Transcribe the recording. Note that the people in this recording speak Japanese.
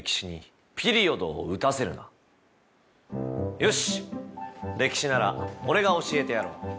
よし歴史なら俺が教えてやろう！